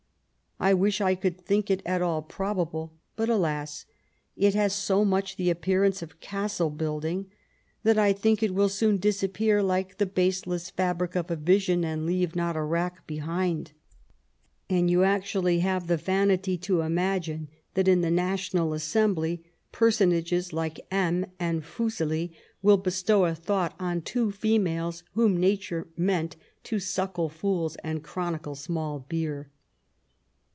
I wish I could think it at all probable, but, alas I it has so much the appearance of castle building that I think it will soon disappear like the *< baseless fabric of a vision, and leave not a wrack behind.*' And you actually have the vanity to imagine that in the National Assembly, piersonages like M. and F.[useli] will bestow a thought on two females whom nature meant to " suckle fools and chronicle small beer."